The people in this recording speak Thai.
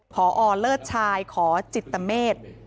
ผอเลอร์ชชายขอจิตเจนทร์เมฆ